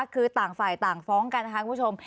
คือต่างฝ่ายต่างฟ้องกันนะคะคุณผู้ชม